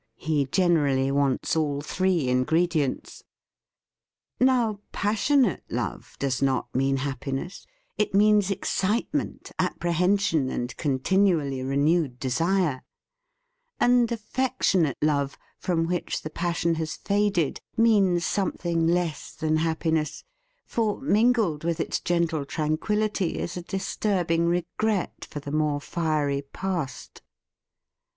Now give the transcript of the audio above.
He generally wants all three ingredients. Now pas THE FEAST OF ST FRIEND sionate love does not mean happiness; it means excitement, apprehension and continually renewed desire. And af fectionate love, from which the passion has faded, means something less than happiness, for, mingled with its gentle tranquility is a disturbing regret for the more fiery past.